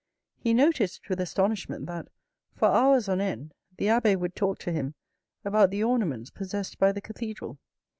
He noticed with astonishment that, for hours on end, the abbe would talk to him about the ornaments possessed by the cathedral.